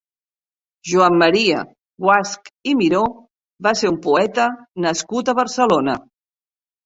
Joan Maria Guasch i Miró va ser un poeta nascut a Barcelona.